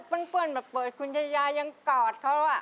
เขาปั่นมาเปิดคุณยายายยังกอดเขา